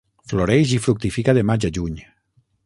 Floreix i fructifica de Maig a Juny.